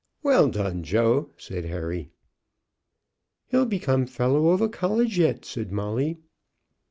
"Well done, Joe," said Harry. "He'll become fellow of a college yet," said Molly.